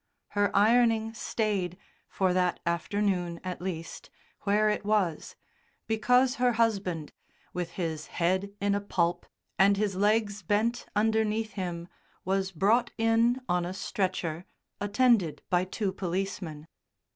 Her ironing stayed, for that afternoon at least, where it was, because her husband, with his head in a pulp and his legs bent underneath him, was brought in on a stretcher, attended by two policemen.